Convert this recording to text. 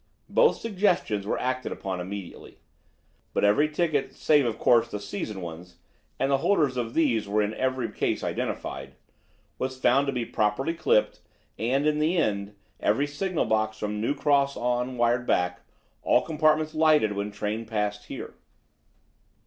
Both suggestions were acted upon immediately. But every ticket, save, of course, the season ones and the holders of these were in every case identified was found to be properly clipped; and, in the end, every signal box from New Cross on wired back: "All compartments lighted when train passed here."